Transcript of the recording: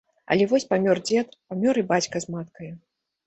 Але вось памёр дзед, памёр і бацька з маткаю.